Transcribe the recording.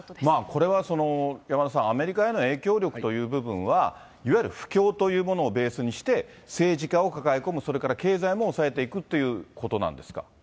これは、山田さん、アメリカへの影響力という部分は、いわゆる布教というものをベースにして、政治家を抱え込む、それから経済も押さえていくっていうことなんですか。